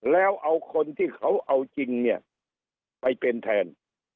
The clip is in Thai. แล้วเอาคนที่เขาเอาจริงเนี่ยไปเป็นแทน